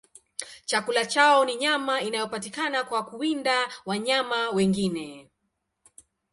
Chakula chao ni nyama inayopatikana kwa kuwinda wanyama wengine.